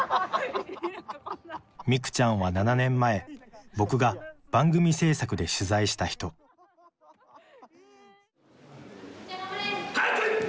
未久ちゃんは７年前僕が番組制作で取材した人はっけよい。